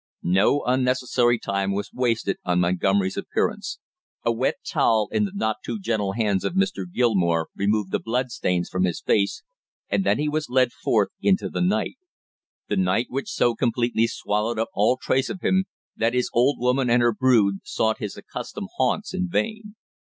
No unnecessary time was wasted on Montgomery's appearance. A wet towel in the not too gentle hands of Mr. Gilmore removed the blood stains from his face, and then he was led forth into the night, the night which so completely swallowed up all trace of him that his old woman and her brood sought his accustomed haunts in vain.